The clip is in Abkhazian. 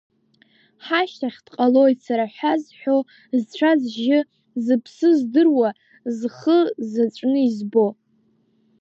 Ҳашьҭахь дҟалоит сара ҳәа зҳәо, зцәа-зжьы, зыԥсы здыруа, зхы заҵәны избо.